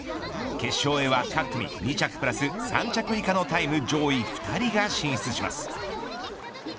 決勝には、各組２着プラス３着以下のタイム上位２人が進出します。